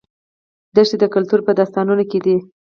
دښتې د کلتور په داستانونو کې دي.